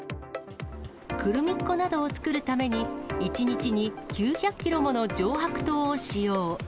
クルミッ子などを作るために、１日に９００キロもの上白糖を使用。